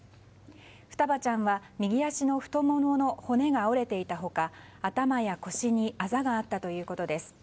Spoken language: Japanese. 双葉ちゃんは右足の太ももの骨が折れていた他頭や腰にあざがあったということです。